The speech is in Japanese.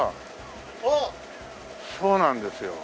そうなんですよ。